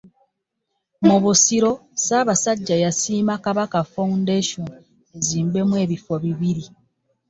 Mu Busiro Ssaabasajja yasiima Kabaka Foundation ezimbemu ebifo bibiri.